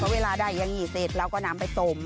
เวลาได้ทีนี้สุดเต็มเราก็นำไปต้ม